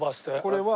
これは。